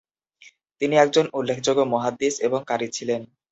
তিনি একজন উল্লেখযোগ্য মুহাদ্দিস এবং কারী ছিলেন।